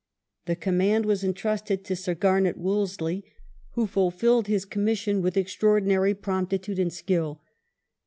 The com mand was entrusted to Sir Garnet Wolseley, who fulfilled his commission with extraordinary promptitude and skill.